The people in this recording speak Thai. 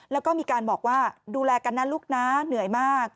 แล้วก็มีการบอกว่าดูแลกันนะลูกนะเหนื่อยมาก